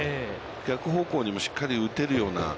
逆方向にもしっかり打てるような。